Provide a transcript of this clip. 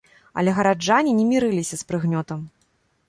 Але гараджане не мірыліся з прыгнётам.